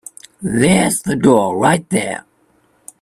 There's the door right there.